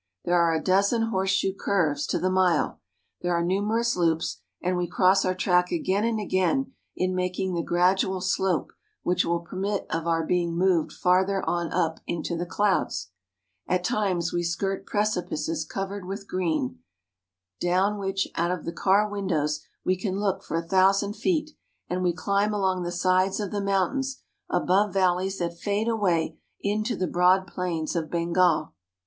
There are a dozen horseshoe curves to the mile. There are numerous loops, and we cross our track again and again in making the gradual slope which will permit of our being moved farther on up into the clouds. At times we skirt precipices covered with green, down which, out of the car windows, we can look for a thousand feet ; and we climb along the " Our motive power IN THE HEART OF THE HIMALAYA MOUNTAINS 30 1 sides of the mountains, above valleys that fade away into the broad plains of Bengal.